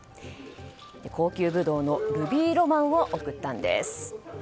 高級ブドウのルビーロマンを贈ったんです。